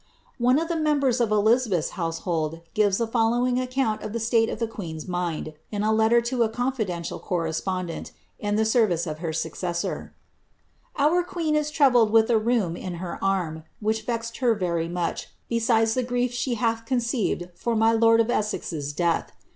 One of the members of Elizabeth's household gives the foU owing account of the state of the queen's mind, in a letter to a confidential coirespondont, in the service of her successor :—^ Our queen is troubled with a rheum in her arm, which vexeth her very much, besides the grief she hath conceived for my lord of Essex's death.